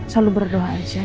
selalu berdoa aja